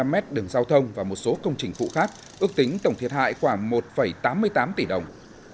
năm mét đường giao thông và một số công trình phụ khác ước tính tổng thiệt hại khoảng một tám mươi tám tỷ đồng